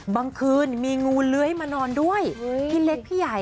บางคืนมีงูเล้ยมานอนด้วยพี่เล็กพี่ใหญ่ค่ะ